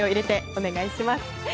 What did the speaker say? お願いします。